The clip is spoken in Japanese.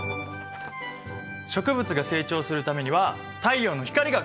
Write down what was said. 植物が成長するためには太陽の光が欠かせないよね。